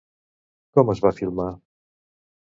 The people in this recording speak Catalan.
Com es va filmar?